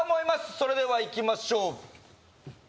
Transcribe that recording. それではいきましょう